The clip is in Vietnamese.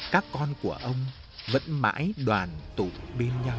các con của ông vẫn mãi đoàn tụ bên nhau